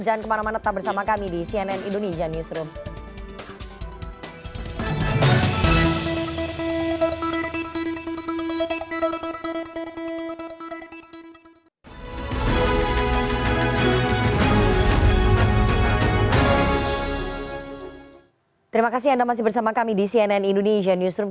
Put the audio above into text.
jangan kemana mana tetap bersama kami di cnn indonesian newsroom